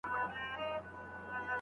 پلار اوس نه ويده کېږي.